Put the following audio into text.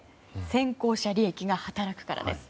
先行者利益が働くからです。